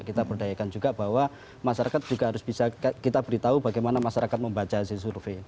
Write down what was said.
kita berdayakan juga bahwa masyarakat juga harus bisa kita beritahu bagaimana masyarakat membaca hasil survei